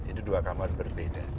jadi dua kamar berbeda